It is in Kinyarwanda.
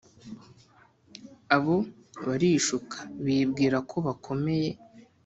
Abo barishuka bibwirako bakomeye.